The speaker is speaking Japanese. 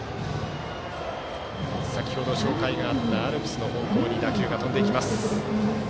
先程、紹介があったアルプスの方向に打球が飛んでいきます。